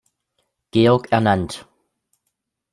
Georg ernannt.